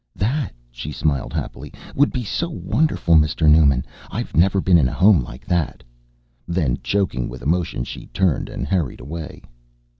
"That," she smiled happily, "would be so wonderful, Mr. Newman. I've never been in a home like that." Then, choking with emotion, she turned and hurried away.